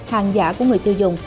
hàng giả của người tiêu dùng